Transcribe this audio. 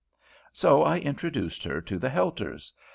So I introduced her to the Helters.